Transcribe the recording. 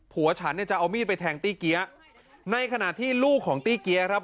ผัวฉันเนี่ยจะเอามีดไปแทงตี้เกี๊ยะในขณะที่ลูกของตี้เกี๊ยครับ